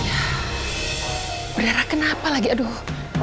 ya berdarah kenapa lagi aduh